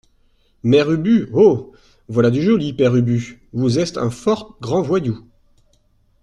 Mère Ubu Oh ! voilà du joli, Père Ubu, vous estes un fort grand voyou.